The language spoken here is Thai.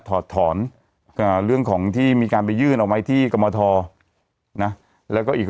ถอดถอนเรื่องของที่มีการไปยื่นเอาไว้ที่กรมทรนะแล้วก็อีก